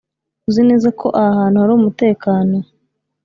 uzi neza ko aha hantu hari umutekano?